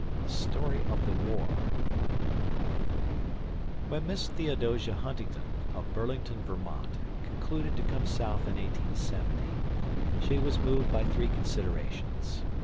A STORY OF THE WAR WHEN Miss Theodosia Huntingdon, of Burlington, Vermont, concluded to come South in 1870, she was moved by three considerations.